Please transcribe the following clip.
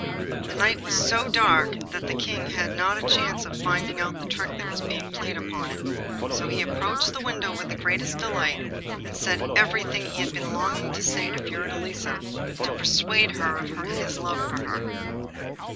The night was so dark that the King had not a chance of finding out the trick that was being played upon him, so he approached the window with the greatest delight, and said everything that he had been longing to say to Fiordelisa to persuade her of his love for her.